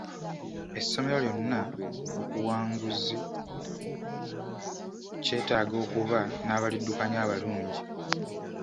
Essomero lyonna okuwanguzi, kyetaaga okuba n'abaliddukanya abalungi.